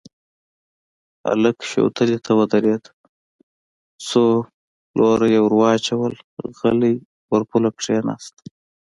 هلک شوتلې ته ودرېد، څو لوره يې ور واچول، غلی پر پوله کېناست.